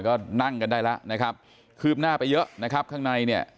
ก็นั่งกันได้แล้วนะครับคืบหน้าไปเยอะนะครับข้างในเนี่ย